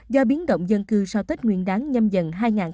do biến động dân cư sau tết nguyên đáng nhâm dần hai nghìn hai mươi bốn